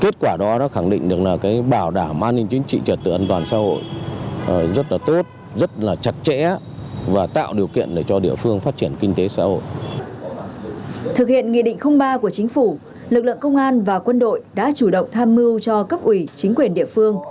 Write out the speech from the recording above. tạo môi trường thuận lợi để phát triển kinh tế xã hội của từng địa phương